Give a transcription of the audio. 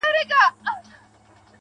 زه مي د ميني په نيت وركړمه زړه.